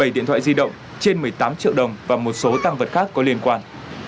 một mươi điện thoại di động trên một mươi tám triệu đồng và một số tăng vật khác có liên quan